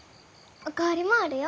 お代わりもあるよ。